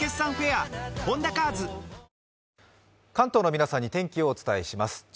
関東の皆さんに天気をお伝えします。